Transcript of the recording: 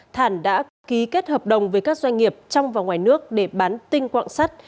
thản đã ký kết hợp đồng với các doanh nghiệp trong và ngoài nước để bán tinh quạng sắt